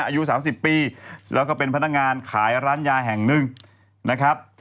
อายุ๓๐ปีแล้วก็เป็นพนักงานขายร้านยาแห่งหนึ่งนะครับ